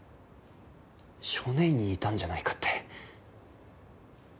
少年院にいたんじゃないかって。